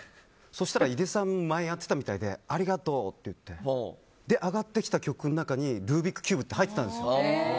そうしたら、いでさん前やってたみたいでありがとうって言って上がってきた曲の中にルービックキューブって入ってたんですよ。